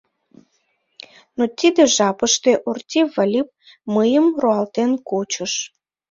Но тиде жапыште Орти Выльып мыйым руалтен кучыш.